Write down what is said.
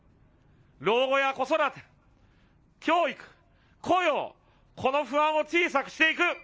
老後や子育て、教育、雇用、この不安を小さくしていく。